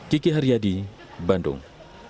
kiki haryadi bandung